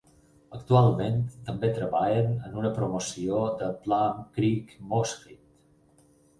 Actualment també treballen en una promoció de Plum Creek Moosehead.